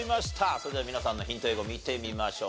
それでは皆さんのヒント英語見てみましょう。